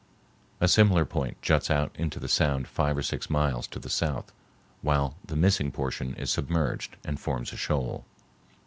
A similar point juts out into the sound five or six miles to the south, while the missing portion is submerged and forms a shoal.